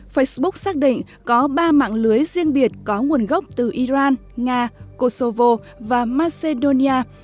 facebook xác định có ba mạng lưới riêng biệt có nguồn gốc từ iran nga kosovo và macedonia